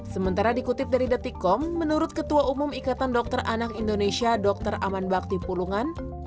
sementara dikutip dari detikom menurut ketua umum ikatan dokter anak indonesia dr aman bakti pulungan